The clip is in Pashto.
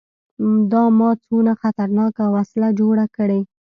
دا ما څونه خطرناکه وسله جوړه کړې.